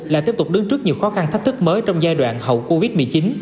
lại tiếp tục đứng trước nhiều khó khăn thách thức mới trong giai đoạn hậu covid một mươi chín